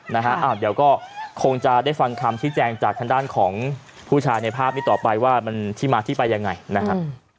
นะฮะอ้าวเดี๋ยวก็คงจะได้ฟังคำชี้แจงจากทางด้านของผู้ชายในภาพนี้ต่อไปว่ามันที่มาที่ไปยังไงนะครับ